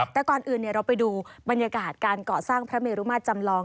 แต่ก่อนอื่นเราไปดูบรรยากาศการก่อสร้างพระเมรุมาตรจำลอง